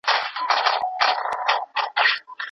اېرانیانو له افغانانو سره د غلامانو غوندي چلند کاوه.